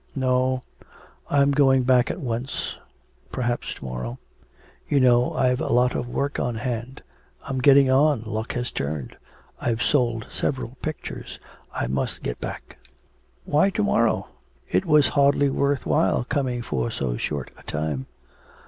'No, I'm going back at once, perhaps to morrow. You know I've a lot of work on hand. I'm getting on, luck has turned. I've sold several pictures. I must get back.' 'Why, to morrow? it was hardly worth while coming for so short a time.'